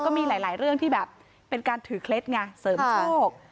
ก็มีหลายเรื่องที่แบบเป็นการถือเคล็ดไงเสริมโชค